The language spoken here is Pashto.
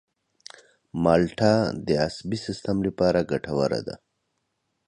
مالټه د عصبي سیستم لپاره ګټوره ده.